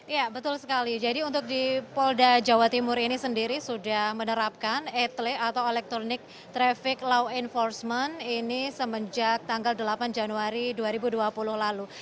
ya betul sekali jadi untuk di polda jawa timur ini sendiri sudah menerapkan ete atau electronic traffic law enforcement ini semenjak tanggal delapan januari dua ribu dua puluh lalu